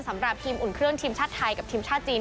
สำหรับทีมอุ่นเครื่องทีมชาติไทยกับทีมชาติจีน